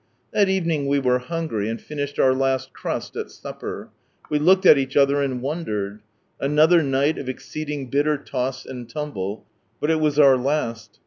That evening we were hungry, and finished our last crust at supper. We looked at each other, and wondered. Another night of exceeding bitter toss and tumble, but it was our last.